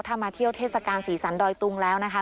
ถ้ามาเที่ยวเทศกาลสีสันดอยตุงแล้วนะคะ